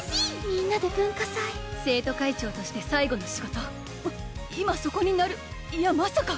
みんなで文化祭生徒会長として最後の仕事今そこにナルいやまさか